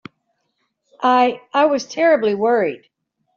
I—I was terribly worried.